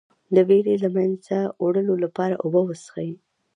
د ویرې د له منځه وړلو لپاره اوبه وڅښئ